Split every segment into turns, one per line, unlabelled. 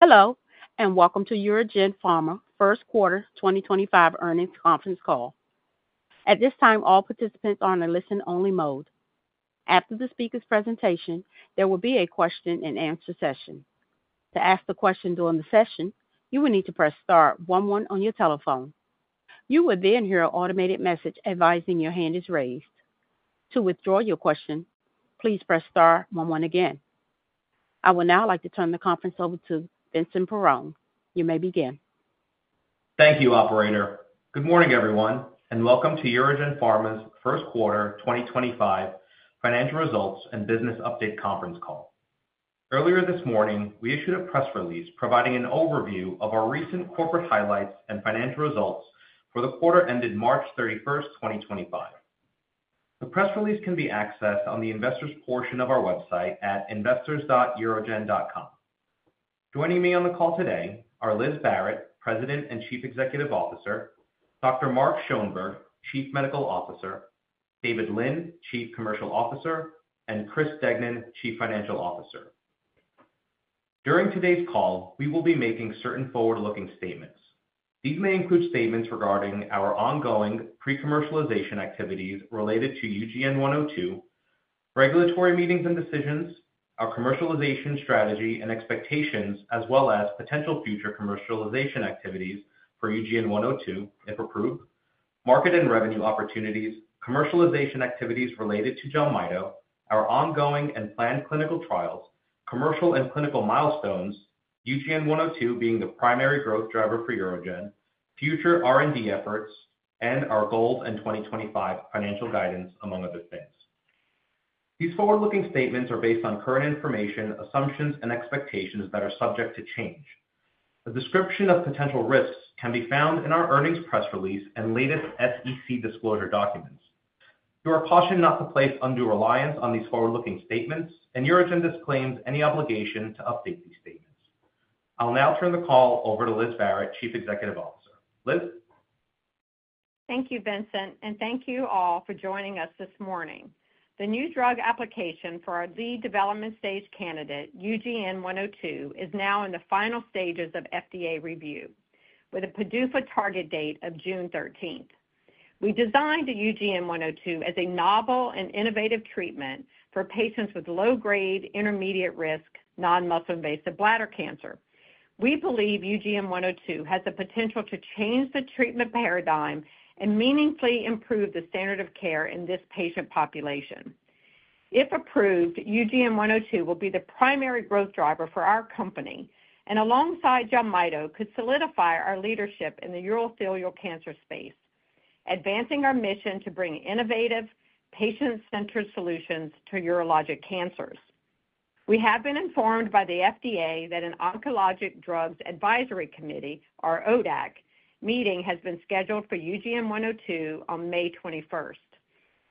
Hello, and welcome to UroGen Pharma first quarter 2025 earnings conference call. At this time, all participants are in a listen-only mode. After the speaker's presentation, there will be a question-and-answer session. To ask a question during the session, you will need to press star 11 on your telephone. You will then hear an automated message advising your hand is raised. To withdraw your question, please press star 11 again. I would now like to turn the conference over to Vincent Perrone. You may begin.
Thank you, Operator. Good morning, everyone, and welcome to UroGen Pharma's first quarter 2025 financial results and business update conference call. Earlier this morning, we issued a press release providing an overview of our recent corporate highlights and financial results for the quarter ended March 31, 2025. The press release can be accessed on the Investors portion of our website at investors.urogen.com. Joining me on the call today are Liz Barrett, President and Chief Executive Officer, Dr. Mark Schoenberg, Chief Medical Officer, David Lin, Chief Commercial Officer, and Chris Degnan, Chief Financial Officer. During today's call, we will be making certain forward-looking statements. These may include statements regarding our ongoing pre-commercialization activities related to UGN-102, regulatory meetings and decisions, our commercialization strategy and expectations, as well as potential future commercialization activities for UGN-102, if approved, market and revenue opportunities, commercialization activities related to JELMYTO, our ongoing and planned clinical trials, commercial and clinical milestones, UGN-102 being the primary growth driver for UroGen, future R&D efforts, and our goals and 2025 financial guidance, among other things. These forward-looking statements are based on current information, assumptions, and expectations that are subject to change. A description of potential risks can be found in our earnings press release and latest SEC disclosure documents. You are cautioned not to place undue reliance on these forward-looking statements, and UroGen disclaims any obligation to update these statements. I'll now turn the call over to Liz Barrett, Chief Executive Officer. Liz?
Thank you, Vincent, and thank you all for joining us this morning. The new drug application for our lead development stage candidate, UGN-102, is now in the final stages of FDA review, with a PDUFA target date of June 13. We designed UGN-102 as a novel and innovative treatment for patients with low-grade, intermediate-risk, non-muscle-invasive bladder cancer. We believe UGN-102 has the potential to change the treatment paradigm and meaningfully improve the standard of care in this patient population. If approved, UGN-102 will be the primary growth driver for our company, and alongside JELMYTO, could solidify our leadership in the urothelial cancer space, advancing our mission to bring innovative, patient-centered solutions to urologic cancers. We have been informed by the FDA that an Oncologic Drugs Advisory Committee, or ODAC, meeting has been scheduled for UGN-102 on May 21.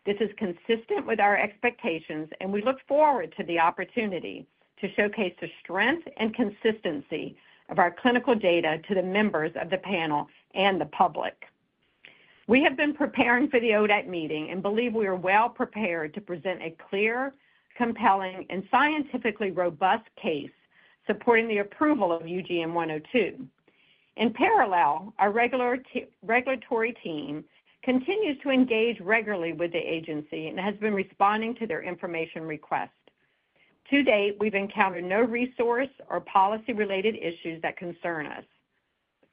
This is consistent with our expectations, and we look forward to the opportunity to showcase the strength and consistency of our clinical data to the members of the panel and the public. We have been preparing for the ODAC meeting and believe we are well prepared to present a clear, compelling, and scientifically robust case supporting the approval of UGN-102. In parallel, our regulatory team continues to engage regularly with the agency and has been responding to their information requests. To date, we've encountered no resource or policy-related issues that concern us.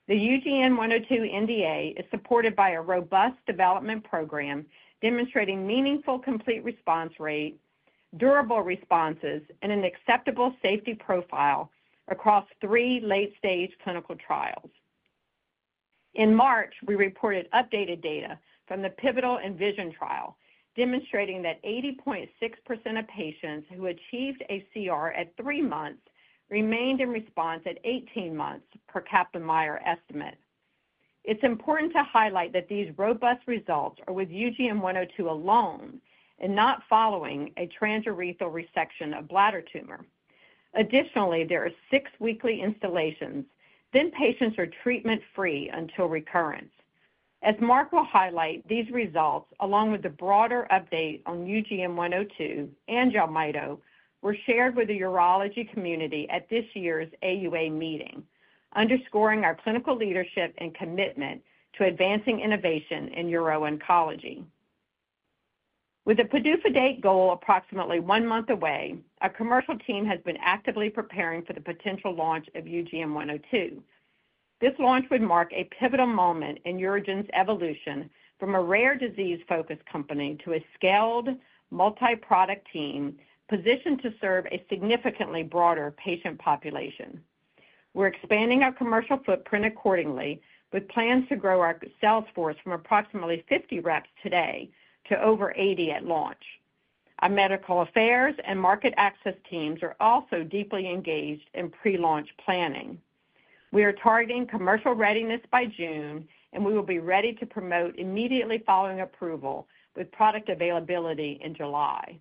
The UGN-102 NDA is supported by a robust development program demonstrating meaningful complete response rate, durable responses, and an acceptable safety profile across three late-stage clinical trials. In March, we reported updated data from the pivotal ENVISION trial, demonstrating that 80.6% of patients who achieved a CR at three months remained in response at 18 months, per Kaplan-Meier estimate. It's important to highlight that these robust results are with UGN-102 alone and not following a transurethral resection of bladder tumor. Additionally, there are six weekly instillations, then patients are treatment-free until recurrence. As Mark will highlight, these results, along with the broader update on UGN-102 and JELMYTO, were shared with the urology community at this year's AUA meeting, underscoring our clinical leadership and commitment to advancing innovation in uro-oncology. With a PDUFA date goal approximately one month away, our commercial team has been actively preparing for the potential launch of UGN-102. This launch would mark a pivotal moment in UroGen's evolution from a rare disease-focused company to a scaled, multi-product team positioned to serve a significantly broader patient population. We're expanding our commercial footprint accordingly, with plans to grow our sales force from approximately 50 reps today to over 80 at launch. Our medical affairs and market access teams are also deeply engaged in pre-launch planning. We are targeting commercial readiness by June, and we will be ready to promote immediately following approval with product availability in July.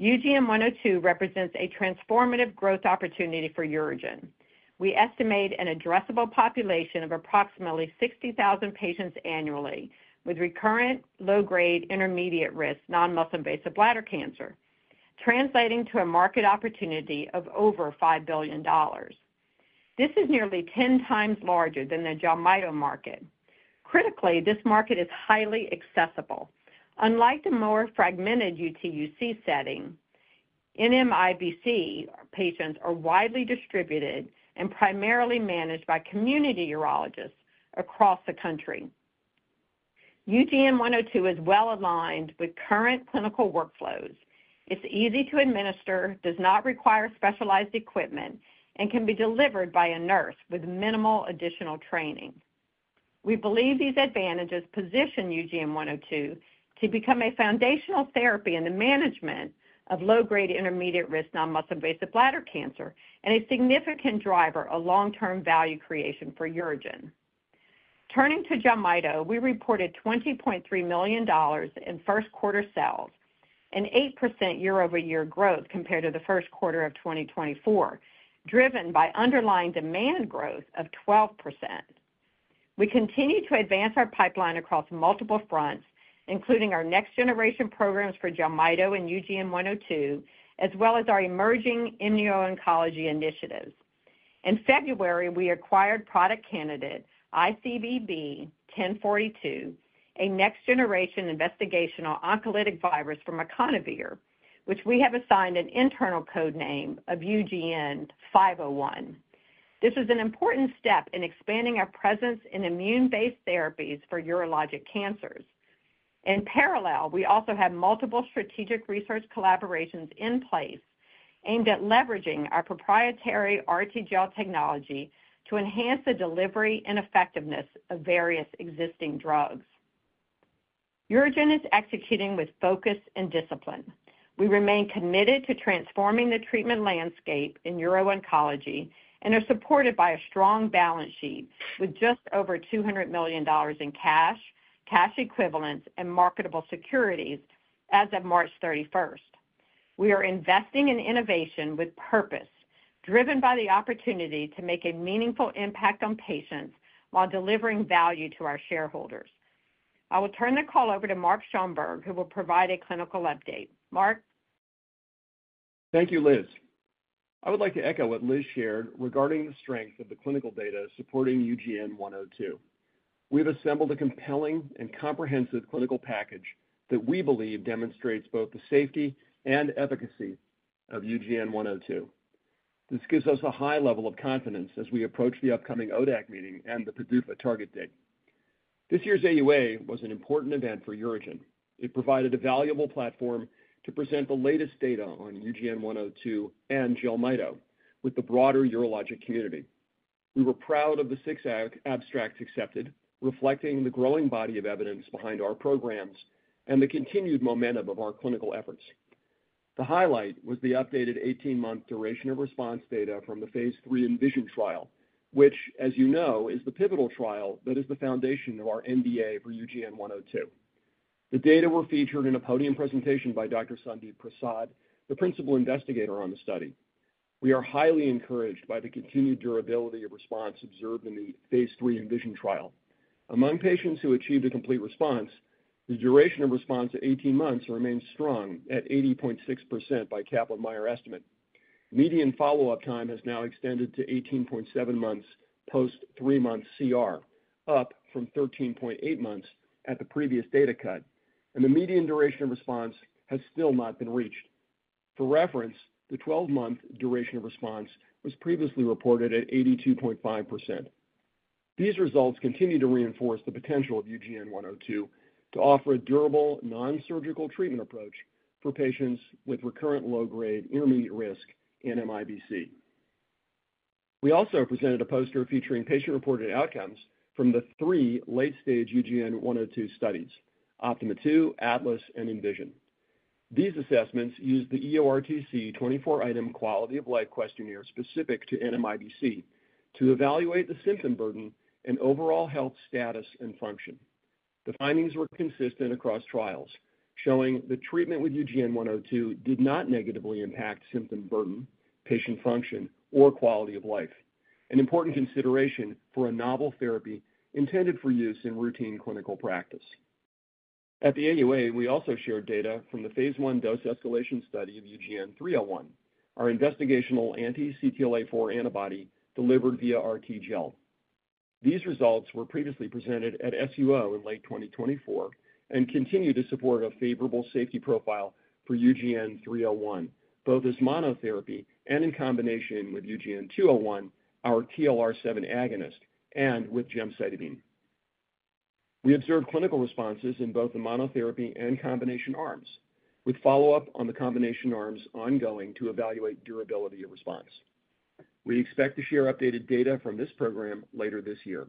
UGN-102 represents a transformative growth opportunity for UroGen. We estimate an addressable population of approximately 60,000 patients annually with recurrent, low-grade, intermediate-risk, non-muscle-invasive bladder cancer, translating to a market opportunity of over $5 billion. This is nearly 10 times larger than the JELMYTO market. Critically, this market is highly accessible. Unlike the more fragmented UTUC setting, NMIBC patients are widely distributed and primarily managed by community urologists across the country. UGN-102 is well aligned with current clinical workflows. It's easy to administer, does not require specialized equipment, and can be delivered by a nurse with minimal additional training. We believe these advantages position UGN-102 to become a foundational therapy in the management of low-grade, intermediate-risk, non-muscle-invasive bladder cancer and a significant driver of long-term value creation for UroGen. Turning to JELMYTO, we reported $20.3 million in first-quarter sales and 8% year-over-year growth compared to the first quarter of 2024, driven by underlying demand growth of 12%. We continue to advance our pipeline across multiple fronts, including our next-generation programs for JELMYTO and UGN-102, as well as our emerging immuno-oncology initiatives. In February, we acquired product candidate ICVB-1042, a next-generation investigational oncolytic virus from Econovir, which we have assigned an internal code name of UGN-501. This is an important step in expanding our presence in immune-based therapies for urologic cancers. In parallel, we also have multiple strategic research collaborations in place aimed at leveraging our proprietary RTGel technology to enhance the delivery and effectiveness of various existing drugs. UroGen is executing with focus and discipline. We remain committed to transforming the treatment landscape in uro-oncology and are supported by a strong balance sheet with just over $200 million in cash, cash equivalents, and marketable securities as of March 31. We are investing in innovation with purpose, driven by the opportunity to make a meaningful impact on patients while delivering value to our shareholders. I will turn the call over to Mark Schoenberg, who will provide a clinical update. Mark?
Thank you, Liz. I would like to echo what Liz shared regarding the strength of the clinical data supporting UGN-102. We have assembled a compelling and comprehensive clinical package that we believe demonstrates both the safety and efficacy of UGN-102. This gives us a high level of confidence as we approach the upcoming ODAC meeting and the PDUFA target date. This year's AUA was an important event for UroGen. It provided a valuable platform to present the latest data on UGN-102 and JELMYTO with the broader urologic community. We were proud of the six abstracts accepted, reflecting the growing body of evidence behind our programs and the continued momentum of our clinical efforts. The highlight was the updated 18-month duration of response data from the phase III ENVISION trial, which, as you know, is the pivotal trial that is the foundation of our NDA for UGN-102. The data were featured in a podium presentation by Dr. Sandip Prasad, the principal investigator on the study. We are highly encouraged by the continued durability of response observed in the phase III ENVISION trial. Among patients who achieved a complete response, the duration of response at 18 months remains strong at 80.6% by Kaplan-Meier estimate. Median follow-up time has now extended to 18.7 months post three-month CR, up from 13.8 months at the previous data cut, and the median duration of response has still not been reached. For reference, the 12-month duration of response was previously reported at 82.5%. These results continue to reinforce the potential of UGN-102 to offer a durable, non-surgical treatment approach for patients with recurrent low-grade, intermediate-risk NMIBC. We also presented a poster featuring patient-reported outcomes from the three late-stage UGN-102 studies, OPTIMA II, ATLAS, and ENVISION. These assessments used the EORTC 24-item quality of life questionnaire specific to NMIBC to evaluate the symptom burden and overall health status and function. The findings were consistent across trials, showing that treatment with UGN-102 did not negatively impact symptom burden, patient function, or quality of life, an important consideration for a novel therapy intended for use in routine clinical practice. At the AUA, we also shared data from the phase I dose escalation study of UGN-301, our investigational anti-CTLA-4 antibody delivered via RTGel. These results were previously presented at SUO in late 2024 and continue to support a favorable safety profile for UGN-301, both as monotherapy and in combination with UGN-201, our TLR7 agonist, and with gemcitabine. We observed clinical responses in both the monotherapy and combination arms, with follow-up on the combination arms ongoing to evaluate durability of response. We expect to share updated data from this program later this year.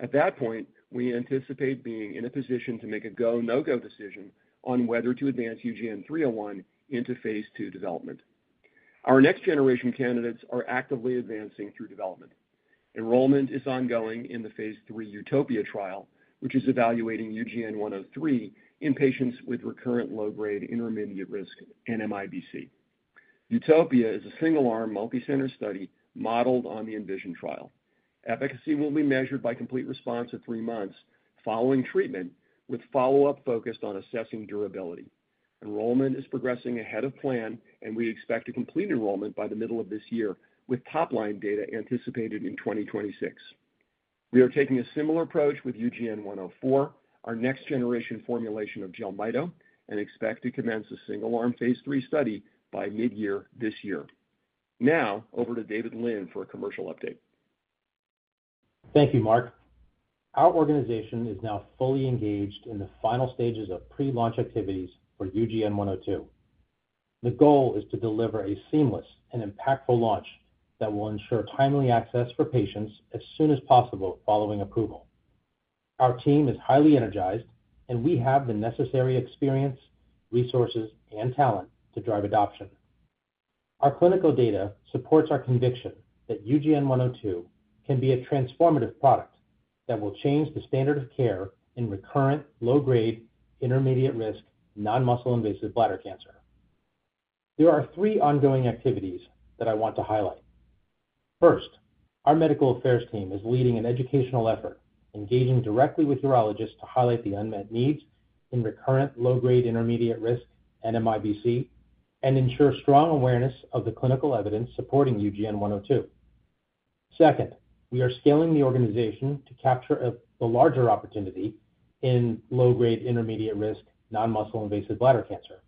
At that point, we anticipate being in a position to make a go-no-go decision on whether to advance UGN-301 into phase II development. Our next-generation candidates are actively advancing through development. Enrollment is ongoing in the phase III Utopia trial, which is evaluating UGN-103 in patients with recurrent low-grade, intermediate-risk NMIBC. Utopia is a single-arm, multi-center study modeled on the ENVISION trial. Efficacy will be measured by complete response at three months following treatment, with follow-up focused on assessing durability. Enrollment is progressing ahead of plan, and we expect to complete enrollment by the middle of this year, with top-line data anticipated in 2026. We are taking a similar approach with UGN-104, our next-generation formulation of JELMYTO, and expect to commence a single-arm phase III study by mid-year this year. Now, over to David Lin for a commercial update.
Thank you, Mark. Our organization is now fully engaged in the final stages of pre-launch activities for UGN-102. The goal is to deliver a seamless and impactful launch that will ensure timely access for patients as soon as possible following approval. Our team is highly energized, and we have the necessary experience, resources, and talent to drive adoption. Our clinical data supports our conviction that UGN-102 can be a transformative product that will change the standard of care in recurrent, low-grade, intermediate-risk, non-muscle-invasive bladder cancer. There are three ongoing activities that I want to highlight. First, our medical affairs team is leading an educational effort, engaging directly with urologists to highlight the unmet needs in recurrent, low-grade, intermediate-risk NMIBC and ensure strong awareness of the clinical evidence supporting UGN-102. Second, we are scaling the organization to capture the larger opportunity in low-grade, intermediate-risk, non-muscle-invasive bladder cancer.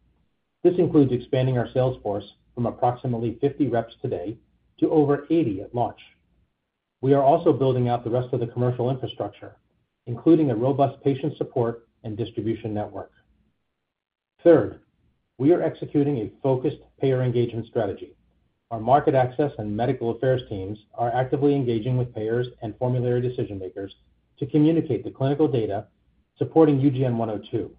This includes expanding our sales force from approximately 50 reps today to over 80 at launch. We are also building out the rest of the commercial infrastructure, including a robust patient support and distribution network. Third, we are executing a focused payer engagement strategy. Our market access and medical affairs teams are actively engaging with payers and formulary decision-makers to communicate the clinical data supporting UGN-102.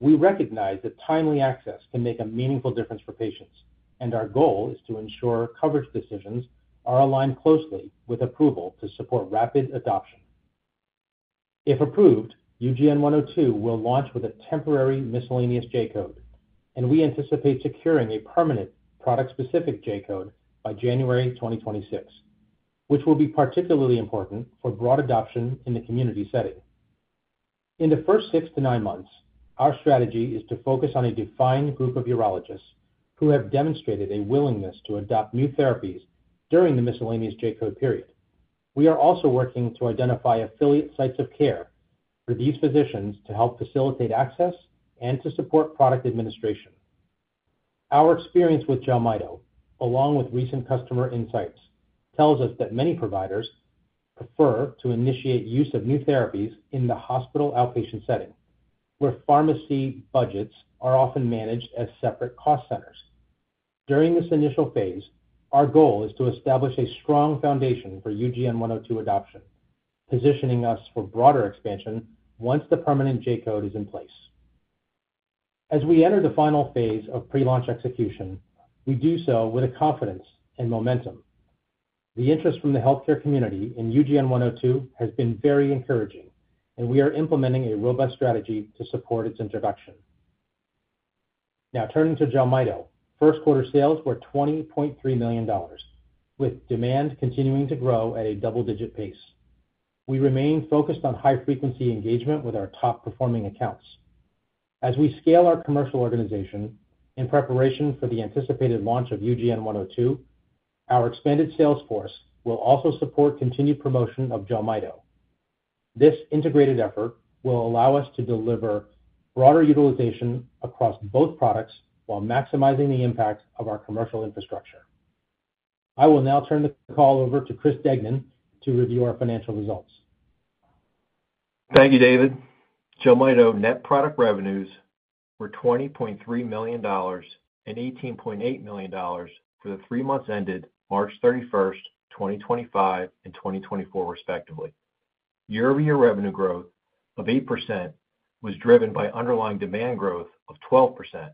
We recognize that timely access can make a meaningful difference for patients, and our goal is to ensure coverage decisions are aligned closely with approval to support rapid adoption. If approved, UGN-102 will launch with a temporary miscellaneous J-Code, and we anticipate securing a permanent product-specific J-Code by January 2026, which will be particularly important for broad adoption in the community setting. In the first six to nine months, our strategy is to focus on a defined group of urologists who have demonstrated a willingness to adopt new therapies during the miscellaneous J-Code period. We are also working to identify affiliate sites of care for these physicians to help facilitate access and to support product administration. Our experience with JELMYTO, along with recent customer insights, tells us that many providers prefer to initiate use of new therapies in the hospital outpatient setting, where pharmacy budgets are often managed as separate cost centers. During this initial phase, our goal is to establish a strong foundation for UGN-102 adoption, positioning us for broader expansion once the permanent J-Code is in place. As we enter the final phase of pre-launch execution, we do so with confidence and momentum. The interest from the healthcare community in UGN-102 has been very encouraging, and we are implementing a robust strategy to support its introduction. Now, turning to JELMYTO, first-quarter sales were $20.3 million, with demand continuing to grow at a double-digit pace. We remain focused on high-frequency engagement with our top-performing accounts. As we scale our commercial organization in preparation for the anticipated launch of UGN-102, our expanded sales force will also support continued promotion of JELMYTO. This integrated effort will allow us to deliver broader utilization across both products while maximizing the impact of our commercial infrastructure. I will now turn the call over to Chris Degnan to review our financial results.
Thank you, David. JELMYTO net product revenues were $20.3 million and $18.8 million for the three months ended March 31, 2025 and 2024, respectively. Year-over-year revenue growth of 8% was driven by underlying demand growth of 12%,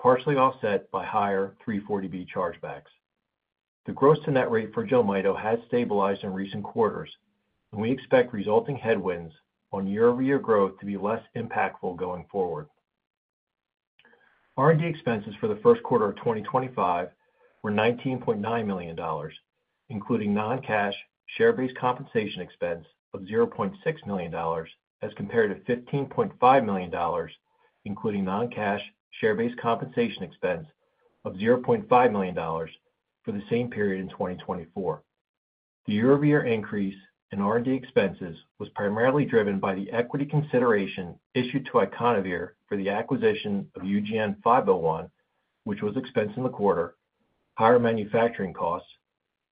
partially offset by higher 340B chargebacks. The gross-to-net rate for JELMYTO has stabilized in recent quarters, and we expect resulting headwinds on year-over-year growth to be less impactful going forward. R&D expenses for the first quarter of 2025 were $19.9 million, including non-cash share-based compensation expense of $0.6 million, as compared to $15.5 million, including non-cash share-based compensation expense of $0.5 million for the same period in 2024. The year-over-year increase in R&D expenses was primarily driven by the equity consideration issued to IconOVir for the acquisition of UGN-501, which was expensed in the quarter, higher manufacturing costs,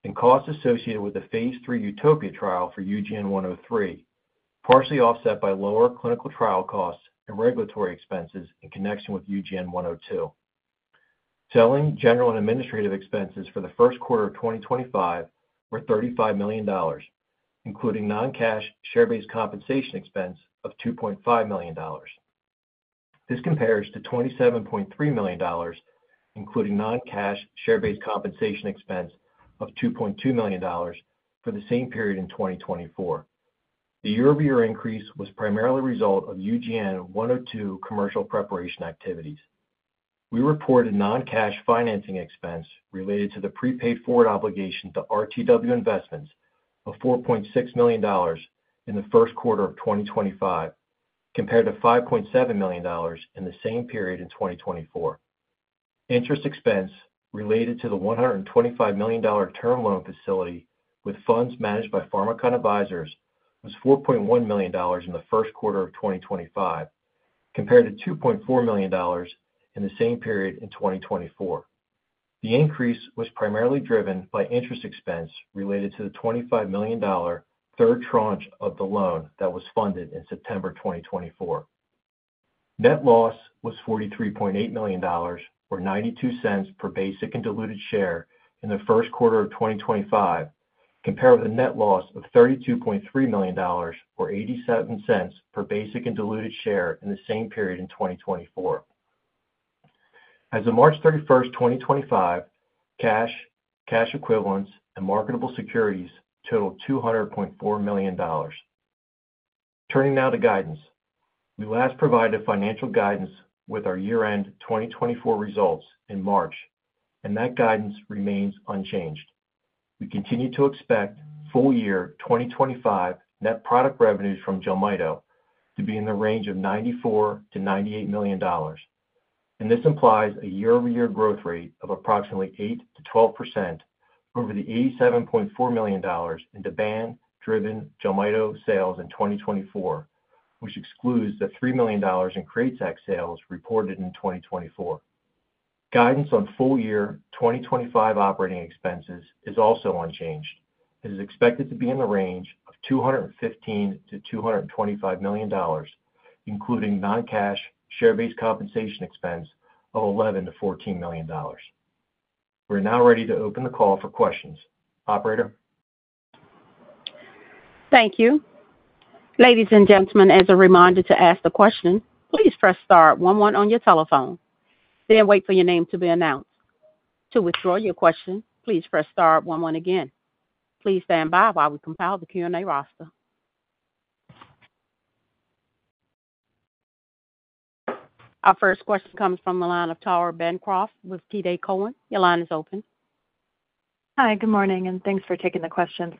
and costs associated with the phase III UTOPIA trial for UGN-103, partially offset by lower clinical trial costs and regulatory expenses in connection with UGN-102. Selling, general and administrative expenses for the first quarter of 2025 were $35 million, including non-cash share-based compensation expense of $2.5 million. This compares to $27.3 million, including non-cash share-based compensation expense of $2.2 million for the same period in 2024. The year-over-year increase was primarily a result of UGN-102 commercial preparation activities. We reported non-cash financing expense related to the prepaid forward obligation to RTW Investments of $4.6 million in the first quarter of 2025, compared to $5.7 million in the same period in 2024. Interest expense related to the $125 million term loan facility with funds managed by Pharmakon Advisors was $4.1 million in the first quarter of 2025, compared to $2.4 million in the same period in 2024. The increase was primarily driven by interest expense related to the $25 million third tranche of the loan that was funded in September 2024. Net loss was $43.8 million, or $0.92 per basic and diluted share in the first quarter of 2025, compared with a net loss of $32.3 million, or $0.87 per basic and diluted share in the same period in 2024. As of March 31, 2025, cash, cash equivalents, and marketable securities totaled $200.4 million. Turning now to guidance. We last provided financial guidance with our year-end 2024 results in March, and that guidance remains unchanged. We continue to expect full-year 2025 net product revenues from JELMYTO to be in the range of $94-$98 million. This implies a year-over-year growth rate of approximately 8%-12% over the $87.4 million in demand-driven JELMYTO sales in 2024, which excludes the $3 million in crates sales reported in 2024. Guidance on full-year 2025 operating expenses is also unchanged. It is expected to be in the range of $215-$225 million, including non-cash share-based compensation expense of $11-$14 million. We're now ready to open the call for questions. Operator.
Thank you. Ladies and gentlemen, as a reminder to ask the question, please press star 11 on your telephone. Then wait for your name to be announced. To withdraw your question, please press star 11 again. Please stand by while we compile the Q&A roster. Our first question comes from the line of Tara Bancroft with TD Cowen. Your line is open.
Hi, good morning, and thanks for taking the question.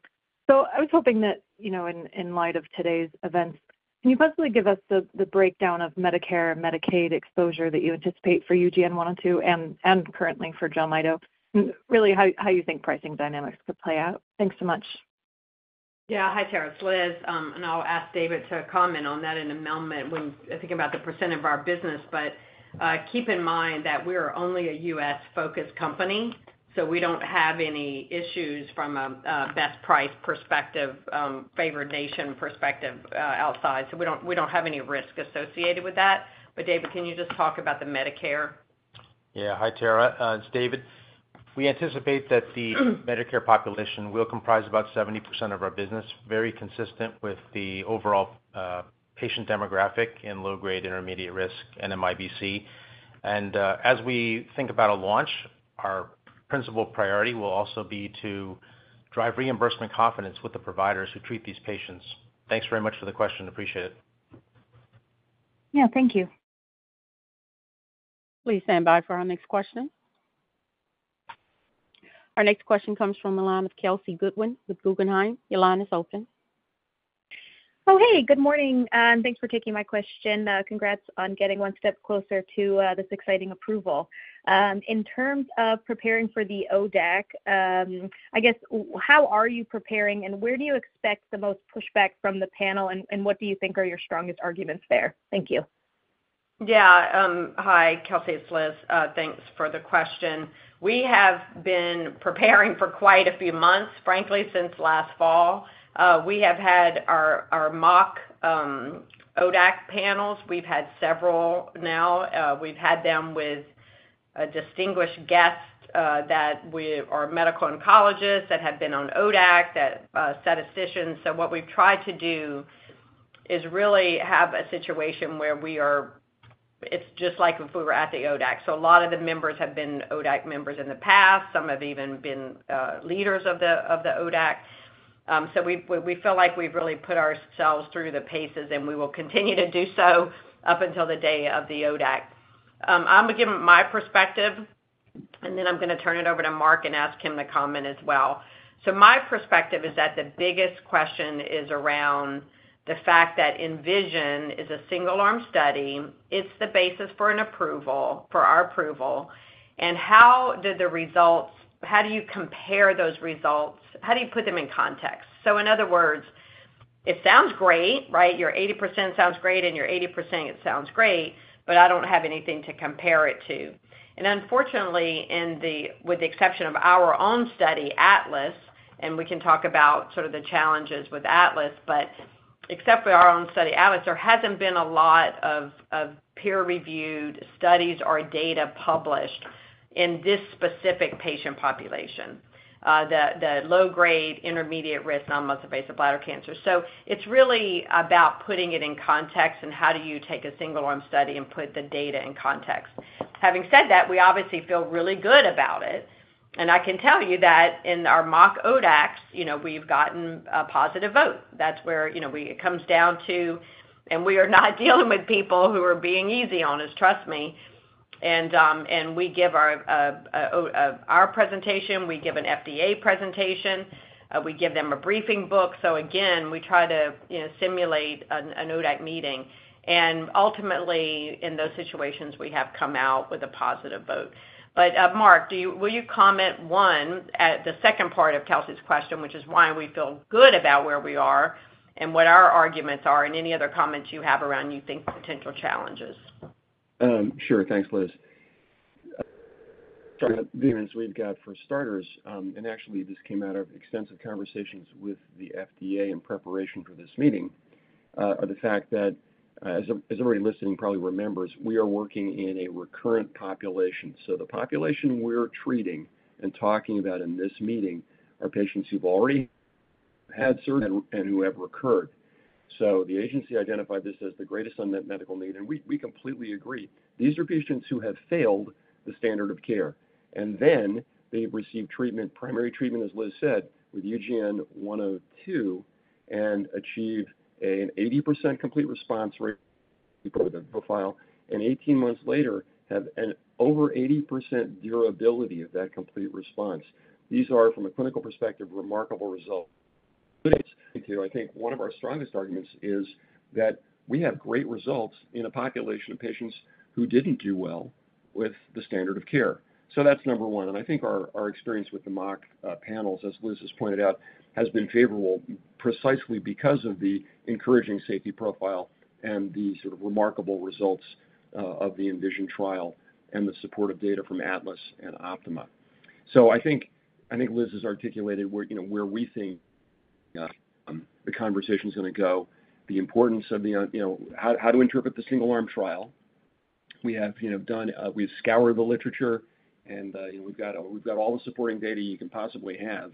I was hoping that, you know, in light of today's events, can you possibly give us the breakdown of Medicare and Medicaid exposure that you anticipate for UGN-102 and currently for JELMYTO, and really how you think pricing dynamics could play out? Thanks so much.
Yeah, hi, Tara, It's Liz, and I'll ask David to comment on that in a moment when thinking about the percent of our business, but keep in mind that we're only a U.S.-focused company, so we don't have any issues from a best price perspective, favored nation perspective outside. We don't have any risk associated with that. David, can you just talk about the Medicare?
Yeah, hi, Tara. It's David. We anticipate that the Medicare population will comprise about 70% of our business, very consistent with the overall patient demographic and low-grade, intermediate-risk NMIBC. As we think about a launch, our principal priority will also be to drive reimbursement confidence with the providers who treat these patients. Thanks very much for the question. Appreciate it.
Yeah, thank you.
Please stand by for our next question. Our next question comes from the line of Kelsey Goodwin with Guggenheim. Your line is open.
Oh, hey, good morning, and thanks for taking my question. Congrats on getting one step closer to this exciting approval. In terms of preparing for the ODAC, I guess, how are you preparing, and where do you expect the most pushback from the panel, and what do you think are your strongest arguments there? Thank you.
Yeah, hi, Kelsey, it's Liz. Thanks for the question. We have been preparing for quite a few months, frankly, since last fall. We have had our mock ODAC panels. We've had several now. We've had them with distinguished guests that were our medical oncologists that have been on ODAC, that statisticians. What we've tried to do is really have a situation where we are—it's just like if we were at the ODAC. A lot of the members have been ODAC members in the past. Some have even been leaders of the ODAC. We feel like we've really put ourselves through the paces, and we will continue to do so up until the day of the ODAC. I'm going to give my perspective, and then I'm going to turn it over to Mark and ask him to comment as well. My perspective is that the biggest question is around the fact that ENVISION is a single-arm study. It's the basis for our approval. How did the results—how do you compare those results? How do you put them in context? In other words, it sounds great, right? Your 80% sounds great, and your 80% sounds great, but I do not have anything to compare it to. Unfortunately, with the exception of our own study, ATLAS, and we can talk about the challenges with ATLAS, except for our own study, ATLAS, there has not been a lot of peer-reviewed studies or data published in this specific patient population, the low-grade, intermediate-risk non-muscle-invasive bladder cancer. It is really about putting it in context, and how do you take a single-arm study and put the data in context. Having said that, we obviously feel really good about it. I can tell you that in our mock ODACs, you know, we've gotten a positive vote. That's where it comes down to, and we are not dealing with people who are being easy on us, trust me. We give our presentation, we give an FDA presentation, we give them a briefing book. Again, we try to simulate an ODAC meeting. Ultimately, in those situations, we have come out with a positive vote. Mark, will you comment on the second part of Kelsey's question, which is why we feel good about where we are and what our arguments are, and any other comments you have around what you think potential challenges are?
Sure, thanks, Liz. We've got for starters, and actually this came out of extensive conversations with the FDA in preparation for this meeting, are the fact that, as everybody listening probably remembers, we are working in a recurrent population. The population we're treating and talking about in this meeting are patients who've already had surgery and who have recurred. The agency identified this as the greatest unmet medical need, and we completely agree. These are patients who have failed the standard of care. They have received treatment, primary treatment, as Liz said, with UGN-102, and achieved an 80% complete response rate per the profile, and 18 months later have an over 80% durability of that complete response. These are, from a clinical perspective, remarkable results. I think one of our strongest arguments is that we have great results in a population of patients who did not do well with the standard of care. That is number one. I think our experience with the mock panels, as Liz has pointed out, has been favorable precisely because of the encouraging safety profile and the sort of remarkable results of the ENVISION trial and the supportive data from ATLAS and OPTIMA. I think Liz has articulated where we think the conversation is going to go, the importance of how to interpret the single-arm trial. We have scoured the literature, and we have all the supporting data you can possibly have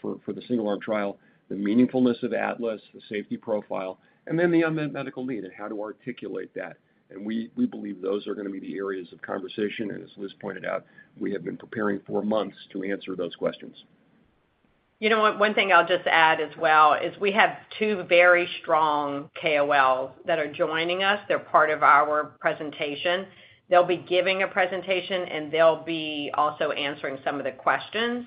for the single-arm trial, the meaningfulness of ATLAS, the safety profile, and then the unmet medical need, and how to articulate that. We believe those are going to be the areas of conversation. As Liz pointed out, we have been preparing for months to answer those questions.
You know what? One thing I'll just add as well is we have two very strong KOLs that are joining us. They're part of our presentation. They'll be giving a presentation, and they'll be also answering some of the questions.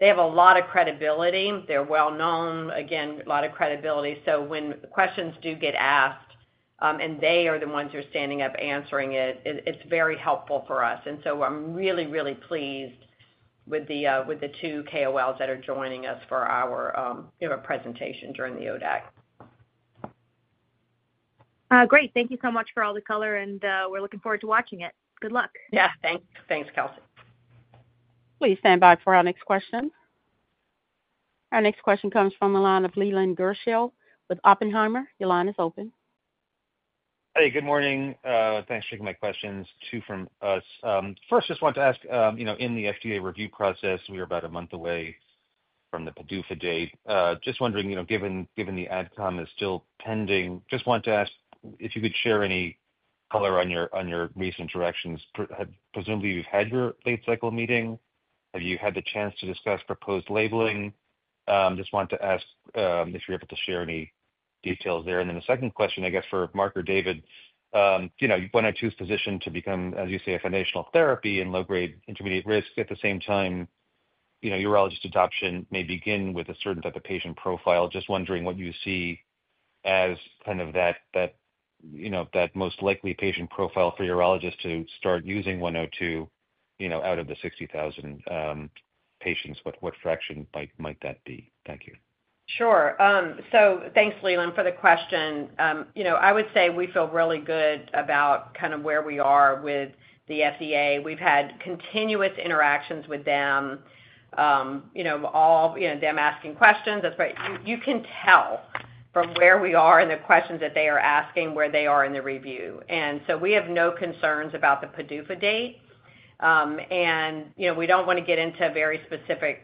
They have a lot of credibility. They're well-known, again, a lot of credibility. When questions do get asked, and they are the ones who are standing up answering it, it's very helpful for us. I'm really, really pleased with the two KOLs that are joining us for our presentation during the ODAC.
Great. Thank you so much for all the color, and we're looking forward to watching it. Good luck.
Yeah, thanks. Thanks, Kelsey.
Please stand by for our next question. Our next question comes from the line of Leland Gershell with Oppenheimer. Your line is open.
Hey, good morning. Thanks for taking my questions. Two from us. First, just wanted to ask, in the FDA review process, we are about a month away from the PDUFA date. Just wondering, given the adcom is still pending, just wanted to ask if you could share any color on your recent directions. Presumably, you've had your late cycle meeting. Have you had the chance to discuss proposed labeling? Just wanted to ask if you're able to share any details there. The second question, I guess, for Mark or David, you want to choose position to become, as you say, a financial therapy in low-grade, intermediate-risk. At the same time, urologist adoption may begin with a certain type of patient profile. Just wondering what you see as kind of that most likely patient profile for urologists to start using 102 out of the 60,000 patients. What fraction might that be? Thank you.
Sure. Thanks, Leland, for the question. I would say we feel really good about kind of where we are with the FDA. We've had continuous interactions with them, all of them asking questions. You can tell from where we are in the questions that they are asking where they are in the review. We have no concerns about the PDUFA date. We don't want to get into a very specific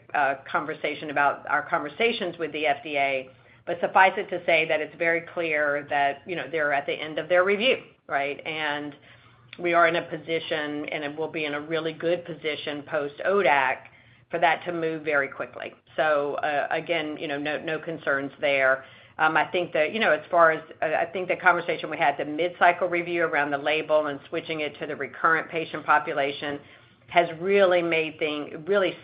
conversation about our conversations with the FDA, but suffice it to say that it's very clear that they're at the end of their review, right? We are in a position, and we'll be in a really good position post-ODAC for that to move very quickly. Again, no concerns there. I think that as far as I think the conversation we had, the mid-cycle review around the label and switching it to the recurrent patient population has really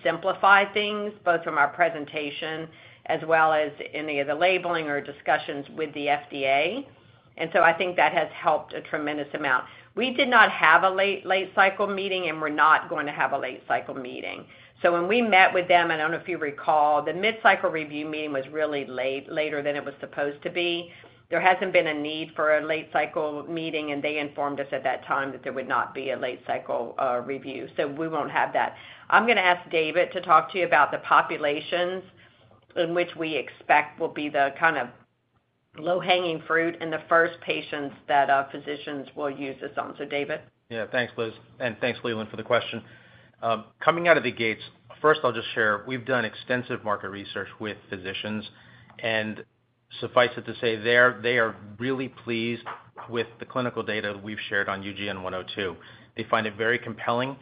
simplified things, both from our presentation as well as any of the labeling or discussions with the FDA. I think that has helped a tremendous amount. We did not have a late cycle meeting, and we're not going to have a late cycle meeting. When we met with them, I do not know if you recall, the mid-cycle review meeting was really later than it was supposed to be. There has not been a need for a late cycle meeting, and they informed us at that time that there would not be a late cycle review. We will not have that. I'm going to ask David to talk to you about the populations in which we expect will be the kind of low-hanging fruit and the first patients that physicians will use this on. David.
Yeah, thanks, Liz. Thanks, Leland, for the question. Coming out of the gates, first, I'll just share. We've done extensive market research with physicians. Suffice it to say, they are really pleased with the clinical data we've shared on UGN-102. They find it very compelling,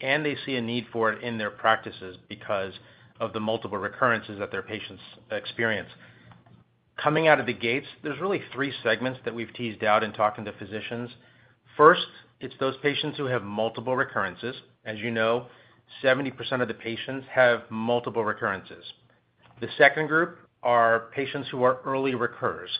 and they see a need for it in their practices because of the multiple recurrences that their patients experience. Coming out of the gates, there's really three segments that we've teased out in talking to physicians. First, it's those patients who have multiple recurrences. As you know, 70% of the patients have multiple recurrences. The second group are patients who are early recurs.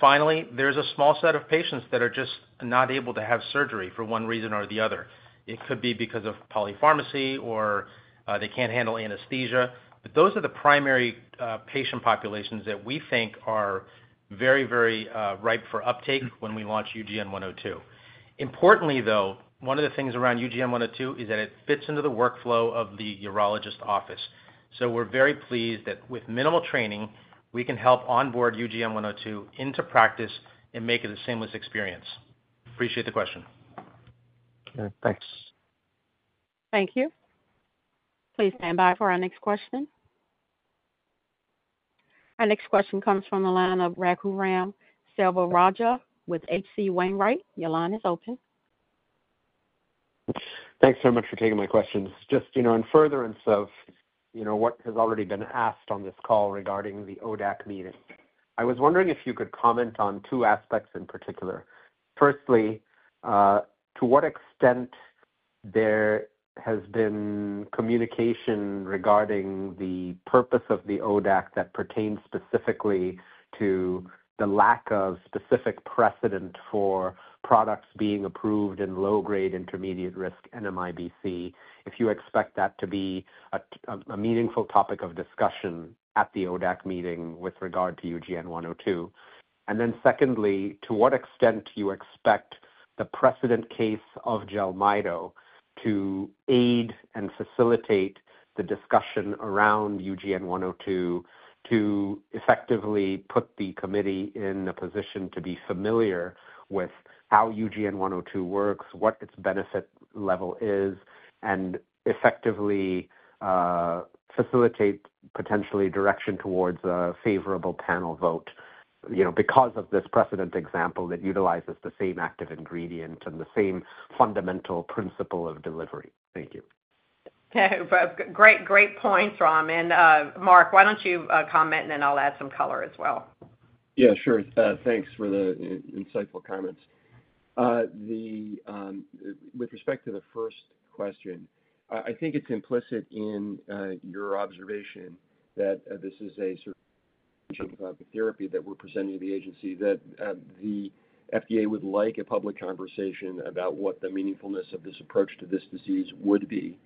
Finally, there's a small set of patients that are just not able to have surgery for one reason or the other. It could be because of polypharmacy or they can't handle anesthesia. Those are the primary patient populations that we think are very, very ripe for uptake when we launch UGN-102. Importantly, though, one of the things around UGN-102 is that it fits into the workflow of the urologist office. We are very pleased that with minimal training, we can help onboard UGN-102 into practice and make it a seamless experience. Appreciate the question.
Thanks.
Thank you. Please stand by for our next question. Our next question comes from the line of Raghuram Selvaraju with H.C. Wainwright. Your line is open.
Thanks so much for taking my questions. Just in furtherance of what has already been asked on this call regarding the ODAC meeting, I was wondering if you could comment on two aspects in particular. Firstly, to what extent there has been communication regarding the purpose of the ODAC that pertains specifically to the lack of specific precedent for products being approved in low-grade, intermediate-risk NMIBC? If you expect that to be a meaningful topic of discussion at the ODAC meeting with regard to UGN-102. To what extent do you expect the precedent case of JELMYTO to aid and facilitate the discussion around UGN-102 to effectively put the committee in a position to be familiar with how UGN-102 works, what its benefit level is, and effectively facilitate potentially direction towards a favorable panel vote because of this precedent example that utilizes the same active ingredient and the same fundamental principle of delivery. Thank you.
Okay. Great points, Ram. Mark, why don't you comment, and then I'll add some color as well.
Yeah, sure. Thanks for the insightful comments. With respect to the first question, I think it's implicit in your observation that this is a sort of therapy that we're presenting to the agency that the FDA would like a public conversation about what the meaningfulness of this approach to this disease would be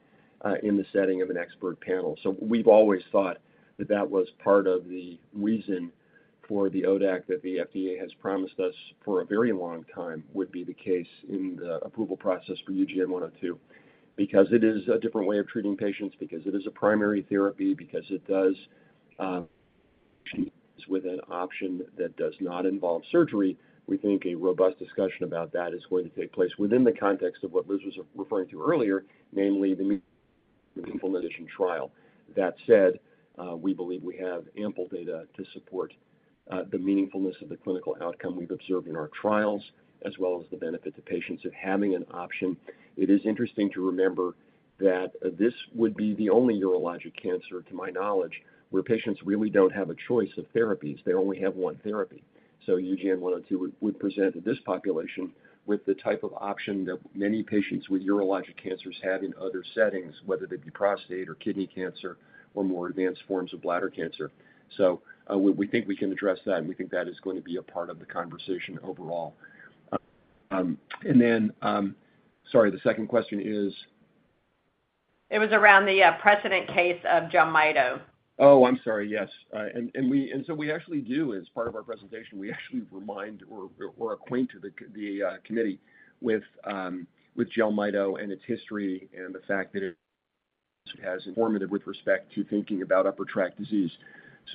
in the setting of an expert panel. We have always thought that that was part of the reason for the ODAC that the FDA has promised us for a very long time would be the case in the approval process for UGN-102 because it is a different way of treating patients, because it is a primary therapy, because it does with an option that does not involve surgery. We think a robust discussion about that is going to take place within the context of what Liz was referring to earlier, namely the meaningfulness of the trial. That said, we believe we have ample data to support the meaningfulness of the clinical outcome we've observed in our trials, as well as the benefit to patients of having an option. It is interesting to remember that this would be the only urologic cancer, to my knowledge, where patients really do not have a choice of therapies. They only have one therapy. UGN-102 would present to this population with the type of option that many patients with urologic cancers have in other settings, whether they be prostate or kidney cancer or more advanced forms of bladder cancer. We think we can address that, and we think that is going to be a part of the conversation overall. And then, sorry, the second question is.
It was around the precedent case of JELMYTO.
Oh, I'm sorry, yes. We actually do, as part of our presentation, remind or acquaint the committee with JELMYTO and its history and the fact that it is informative with respect to thinking about upper tract disease.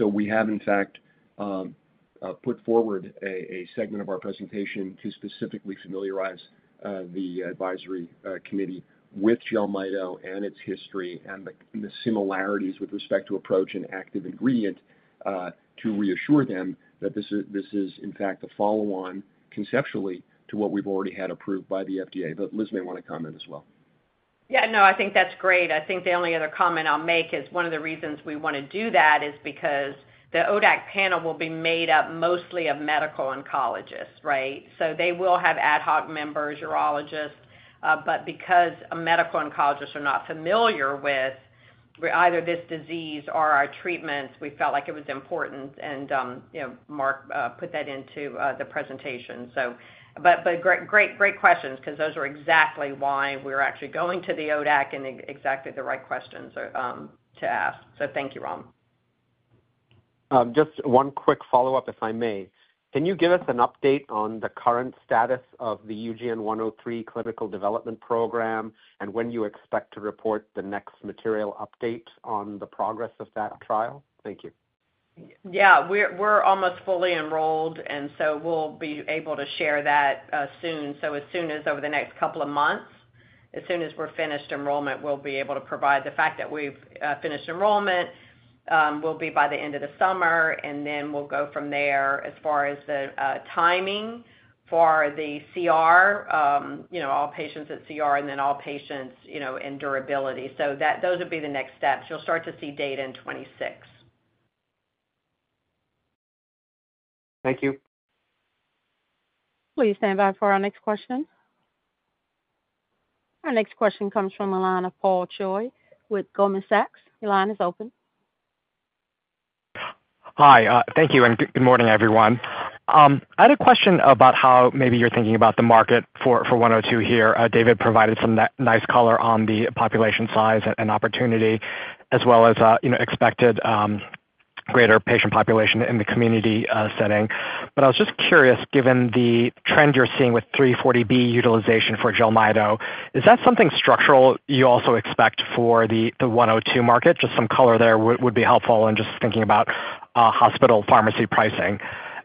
We have, in fact, put forward a segment of our presentation to specifically familiarize the advisory committee with JELMYTO and its history and the similarities with respect to approach and active ingredient to reassure them that this is, in fact, the follow-on conceptually to what we've already had approved by the FDA. Liz may want to comment as well.
Yeah, no, I think that's great. I think the only other comment I'll make is one of the reasons we want to do that is because the ODAC panel will be made up mostly of medical oncologists, right? They will have ad hoc members, urologists. Because medical oncologists are not familiar with either this disease or our treatments, we felt like it was important. Mark put that into the presentation. Great questions because those are exactly why we're actually going to the ODAC and exactly the right questions to ask. Thank you, Ram.
Just one quick follow-up, if I may. Can you give us an update on the current status of the UGN-103 clinical development program and when you expect to report the next material update on the progress of that trial? Thank you.
Yeah, we're almost fully enrolled, and we'll be able to share that soon. As soon as over the next couple of months, as soon as we're finished enrollment, we'll be able to provide the fact that we've finished enrollment will be by the end of the summer. We'll go from there as far as the timing for the CR, all patients at CR, and then all patients in durability. Those would be the next steps. You'll start to see data in 2026.
Thank you.
Please stand by for our next question. Our next question comes from the line of Paul Choi with Goldman Sachs. Your line is open.
Hi. Thank you. Good morning, everyone. I had a question about how maybe you're thinking about the market for 102 here. David provided some nice color on the population size and opportunity, as well as expected greater patient population in the community setting. I was just curious, given the trend you're seeing with 340B utilization for JELMYTO, is that something structural you also expect for the 102 market? Some color there would be helpful in thinking about hospital pharmacy pricing.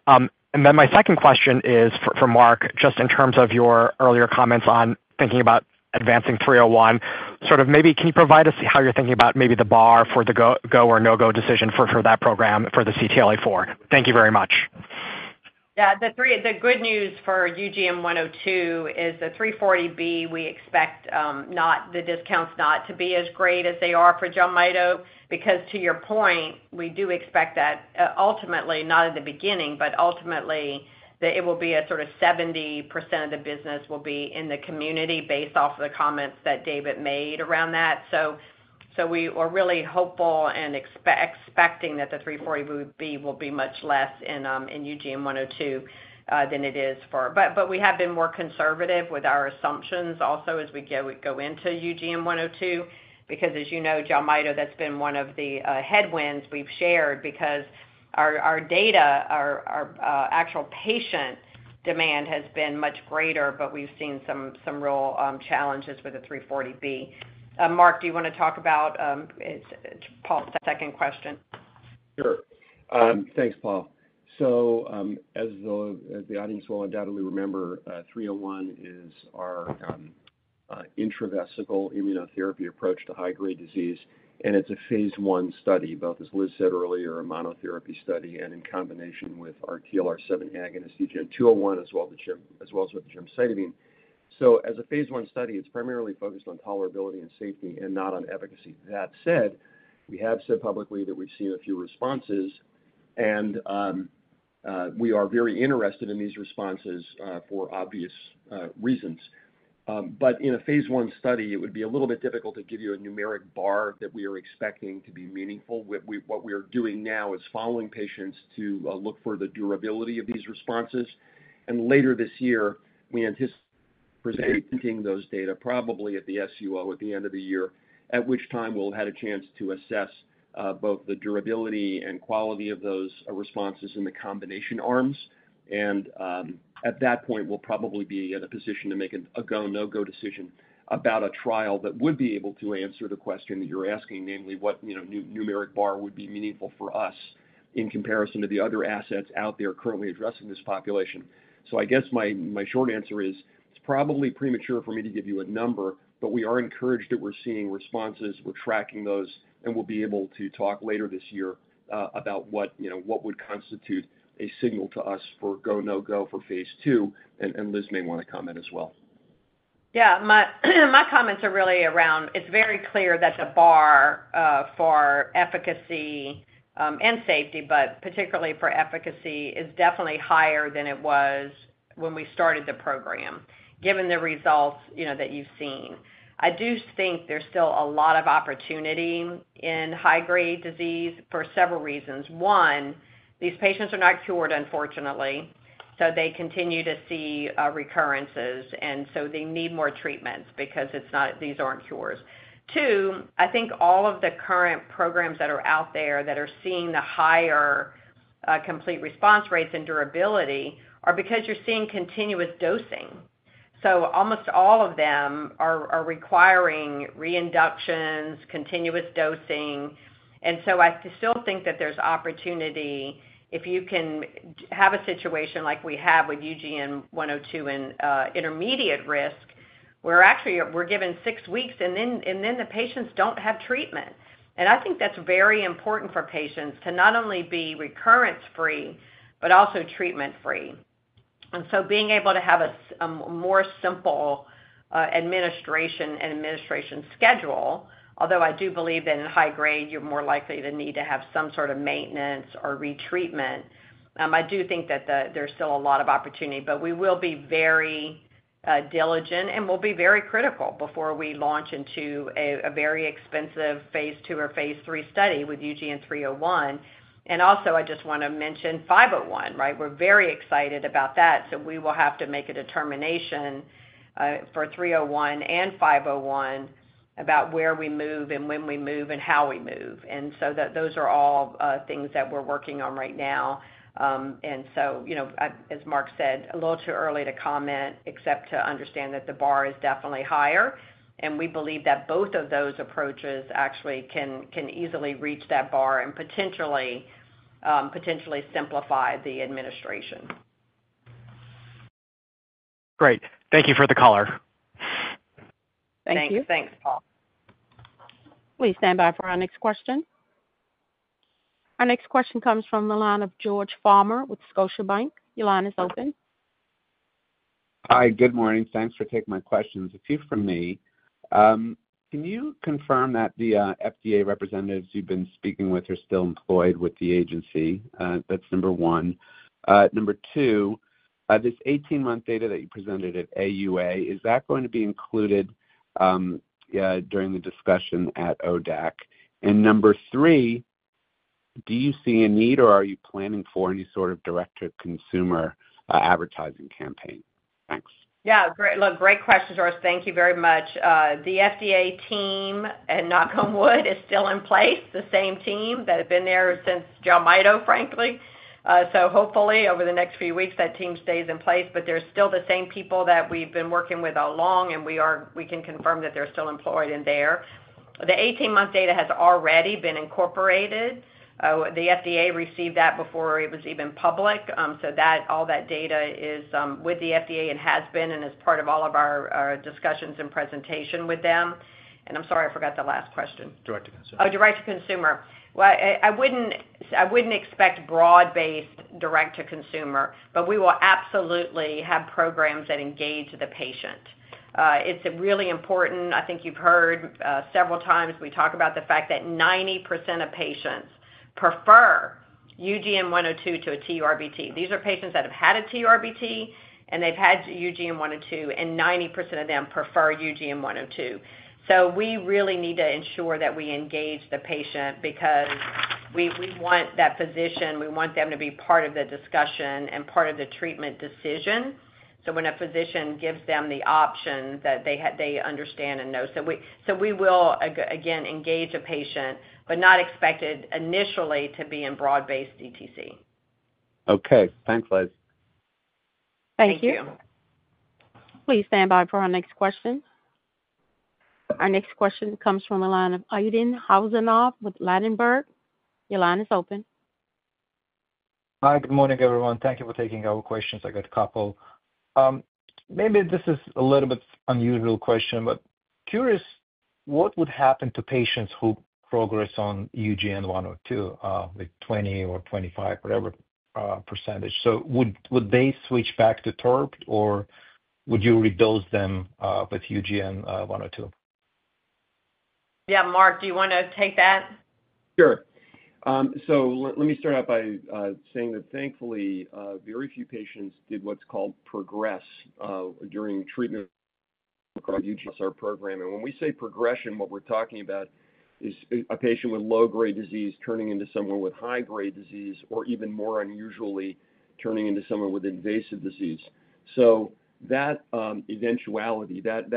My second question is for Mark, just in terms of your earlier comments on thinking about advancing 301, maybe can you provide us how you're thinking about the bar for the go or no-go decision for that program for the CTLA-4? Thank you very much.
Yeah, the good news for UGN-102 is the 340B, we expect the discounts not to be as great as they are for JELMYTO because, to your point, we do expect that ultimately, not at the beginning, but ultimately, it will be a sort of 70% of the business will be in the community based off of the comments that David made around that. We are really hopeful and expecting that the 340B will be much less in UGN-102 than it is for. We have been more conservative with our assumptions also as we go into UGN-102 because, as you know, JELMYTO, that's been one of the headwinds we've shared because our data, our actual patient demand has been much greater, but we've seen some real challenges with the 340B. Mark, do you want to talk about Paul's second question?
Sure. Thanks, Paul. As the audience will undoubtedly remember, 301 is our intravesical immunotherapy approach to high-grade disease. It is a phase one study, both, as Liz said earlier, a monotherapy study and in combination with our TLR7 agonist, UGN-201, as well as with gemcitabine. As a phase one study, it is primarily focused on tolerability and safety and not on efficacy. That said, we have said publicly that we have seen a few responses, and we are very interested in these responses for obvious reasons. In a phase one study, it would be a little bit difficult to give you a numeric bar that we are expecting to be meaningful. What we are doing now is following patients to look for the durability of these responses. Later this year, we anticipate presenting those data probably at the SUO at the end of the year, at which time we'll have had a chance to assess both the durability and quality of those responses in the combination arms. At that point, we'll probably be in a position to make a go, no-go decision about a trial that would be able to answer the question that you're asking, namely what numeric bar would be meaningful for us in comparison to the other assets out there currently addressing this population. I guess my short answer is it's probably premature for me to give you a number, but we are encouraged that we're seeing responses. We're tracking those, and we'll be able to talk later this year about what would constitute a signal to us for go, no-go for phase two. Liz may want to comment as well.
Yeah, my comments are really around it's very clear that the bar for efficacy and safety, but particularly for efficacy, is definitely higher than it was when we started the program, given the results that you've seen. I do think there's still a lot of opportunity in high-grade disease for several reasons. One, these patients are not cured, unfortunately, so they continue to see recurrences, and so they need more treatments because these aren't cures. Two, I think all of the current programs that are out there that are seeing the higher complete response rates and durability are because you're seeing continuous dosing. Almost all of them are requiring reinductions, continuous dosing. I still think that there's opportunity if you can have a situation like we have with UGN-102 in intermediate risk, where actually we're given six weeks, and then the patients don't have treatment. I think that's very important for patients to not only be recurrence-free, but also treatment-free. Being able to have a more simple administration and administration schedule, although I do believe that in high grade, you're more likely to need to have some sort of maintenance or retreatment, I do think that there's still a lot of opportunity. We will be very diligent and will be very critical before we launch into a very expensive phase two or phase three study with UGN-301. I just want to mention 501, right? We're very excited about that. We will have to make a determination for 301 and 501 about where we move and when we move and how we move. Those are all things that we're working on right now. As Mark said, a little too early to comment except to understand that the bar is definitely higher. We believe that both of those approaches actually can easily reach that bar and potentially simplify the administration.
Great. Thank you for the color.
Thank you.
Thanks, Paul.
Please stand by for our next question. Our next question comes from the line of George Farmer with Scotiabank. Your line is open.
Hi, good morning. Thanks for taking my questions. A few from me. Can you confirm that the FDA representatives you've been speaking with are still employed with the agency? That's number one. Number two, this 18-month data that you presented at AUA, is that going to be included during the discussion at ODAC? And number three, do you see a need or are you planning for any sort of direct-to-consumer advertising campaign? Thanks.
Yeah, great questions, George. Thank you very much. The FDA team at Knoxville Wood is still in place, the same team that has been there since JELMYTO, frankly. Hopefully, over the next few weeks, that team stays in place. They're still the same people that we've been working with along, and we can confirm that they're still employed in there. The 18-month data has already been incorporated. The FDA received that before it was even public. All that data is with the FDA and has been and is part of all of our discussions and presentation with them. I'm sorry, I forgot the last question.
Direct-to-consumer.
Oh, direct-to-consumer. I wouldn't expect broad-based direct-to-consumer, but we will absolutely have programs that engage the patient. It's really important. I think you've heard several times we talk about the fact that 90% of patients prefer UGN-102 to a TURBT. These are patients that have had a TURBT, and they've had UGN-102, and 90% of them prefer UGN-102. We really need to ensure that we engage the patient because we want that physician, we want them to be part of the discussion and part of the treatment decision. When a physician gives them the option, that they understand and know. We will, again, engage a patient, but not expected initially to be in broad-based DTC.
Okay. Thanks, Liz.
Thank you. Please stand by for our next question. Our next question comes from the line of Aydin Huseynov with Lattenberg. Your line is open.
Hi, good morning, everyone. Thank you for taking our questions. I got a couple. Maybe this is a little bit unusual question, but curious what would happen to patients who progress on UGN-102 with 20% or 25%, whatever percentage. So would they switch back to TURBT or would you redose them with UGN-102?
Yeah, Mark, do you want to take that?
Sure. Let me start out by saying that thankfully, very few patients did what's called progress during treatment across UGN-102 program. When we say progression, what we're talking about is a patient with low-grade disease turning into someone with high-grade disease or even more unusually turning into someone with invasive disease. That eventuality, that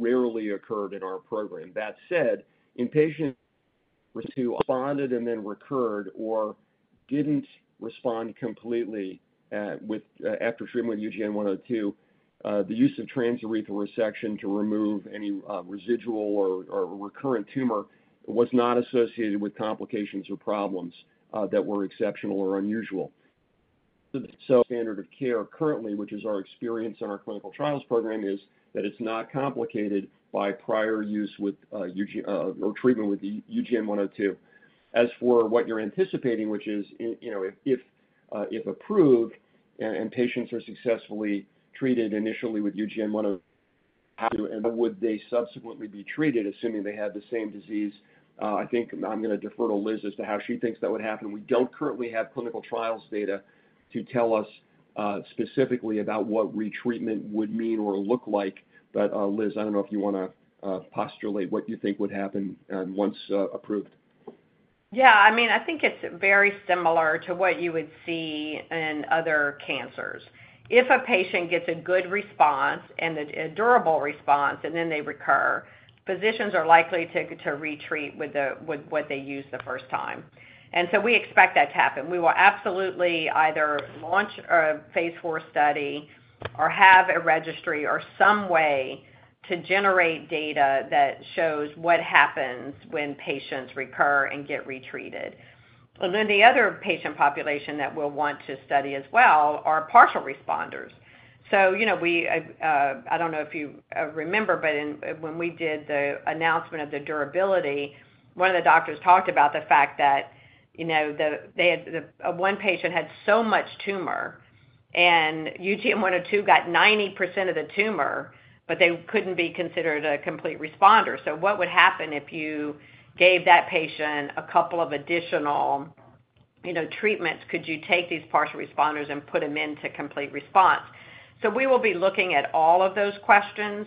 rarely occurred in our program. That said, in patients who responded and then recurred or did not respond completely after treatment with UGN-102, the use of transurethral resection to remove any residual or recurrent tumor was not associated with complications or problems that were exceptional or unusual. The standard of care currently, which is our experience in our clinical trials program, is that it is not complicated by prior use or treatment with UGN-102. As for what you're anticipating, which is if approved and patients are successfully treated initially with UGN-102, and would they subsequently be treated, assuming they had the same disease, I think I'm going to defer to Liz as to how she thinks that would happen. We don't currently have clinical trials data to tell us specifically about what retreatment would mean or look like. Liz, I don't know if you want to postulate what you think would happen once approved.
Yeah. I mean, I think it's very similar to what you would see in other cancers. If a patient gets a good response and a durable response, and then they recur, physicians are likely to retreat with what they used the first time. We expect that to happen. We will absolutely either launch a phase four study or have a registry or some way to generate data that shows what happens when patients recur and get retreated. The other patient population that we'll want to study as well are partial responders. I don't know if you remember, but when we did the announcement of the durability, one of the doctors talked about the fact that one patient had so much tumor, and UGN-102 got 90% of the tumor, but they couldn't be considered a complete responder. What would happen if you gave that patient a couple of additional treatments? Could you take these partial responders and put them into complete response? We will be looking at all of those questions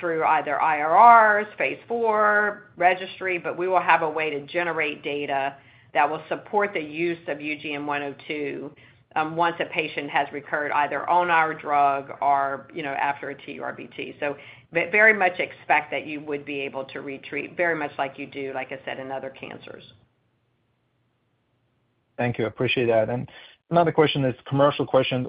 through either IRRs, phase four registry, but we will have a way to generate data that will support the use of UGN-102 once a patient has recurred either on our drug or after a TURBT. Very much expect that you would be able to retreat very much like you do, like I said, in other cancers.
Thank you. Appreciate that. Another question, this commercial question.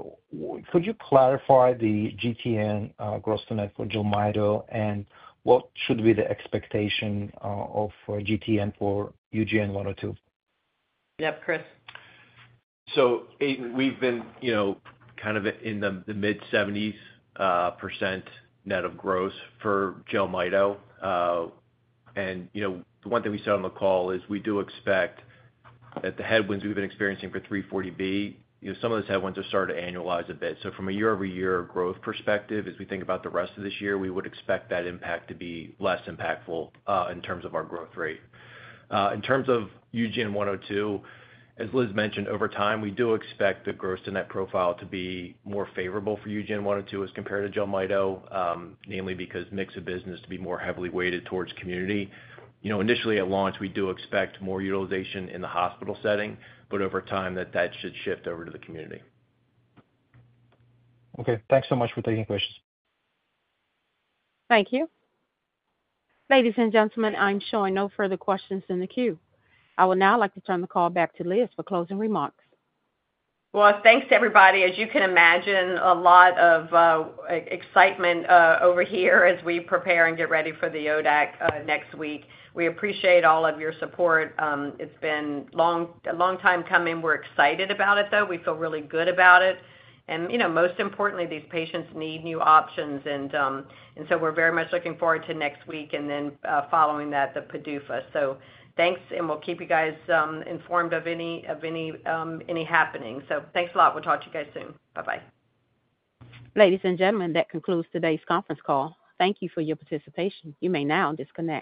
Could you clarify the GTN gross to net for JELMYTO, and what should be the expectation of GTN for UGN-102?
Yep, Chris.
We've been kind of in the mid-70% net of gross for JELMYTO. The one thing we said on the call is we do expect that the headwinds we've been experiencing for 340B, some of those headwinds have started to annualize a bit. From a year-over-year growth perspective, as we think about the rest of this year, we would expect that impact to be less impactful in terms of our growth rate. In terms of UGN-102, as Liz mentioned, over time, we do expect the gross-to-net profile to be more favorable for UGN-102 as compared to JELMYTO, namely because mix of business to be more heavily weighted towards community. Initially, at launch, we do expect more utilization in the hospital setting, but over time, that should shift over to the community.
Okay. Thanks so much for taking questions.
Thank you. Ladies and gentlemen, I am sure no further questions in the queue. I would now like to turn the call back to Liz for closing remarks.
Thanks, everybody. As you can imagine, a lot of excitement over here as we prepare and get ready for the ODAC next week. We appreciate all of your support. It's been a long time coming. We're excited about it, though. We feel really good about it. Most importantly, these patients need new options. We are very much looking forward to next week and then following that, the PDUFA. Thanks, and we'll keep you guys informed of any happening. Thanks a lot. We'll talk to you guys soon. Bye-bye.
Ladies and gentlemen, that concludes today's conference call. Thank you for your participation. You may now disconnect.